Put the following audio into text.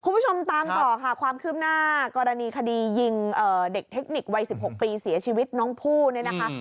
คุณผู้ชมตามต่อค่ะความคืบหน้ากรณีคดียิงเด็กเทคนิควัย๑๖ปีเสียชีวิตน้องผู้เนี่ยนะคะ